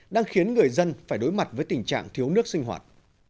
đang khiến người dân phải đối mặt với tình trạng thiếu nước sinh hoạt